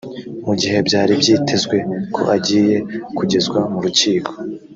Mu gihe byari byitezwe ko agiye kugezwa mu rukiko